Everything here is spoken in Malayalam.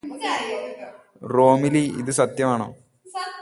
റോമിലി ഇത് സത്യമാണോ